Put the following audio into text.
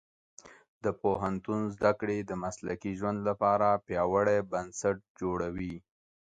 د پوهنتون زده کړې د مسلکي ژوند لپاره پیاوړي بنسټ جوړوي.